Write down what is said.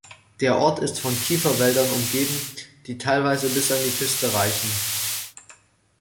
Der Ort ist von Kiefernwäldern umgeben, die teilweise bis an die Küste reichen.